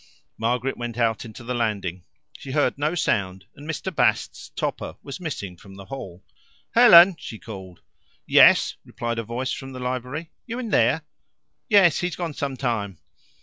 Margaret went out into the landing. She heard no sound, and Mr. Bast's topper was missing from the hall. "Helen!" she called. "Yes!" replied a voice from the library. "You in there?" "Yes he's gone some time."